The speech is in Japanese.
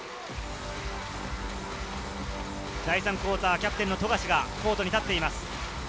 第３クオーター、キャプテンの富樫がコートに立っています。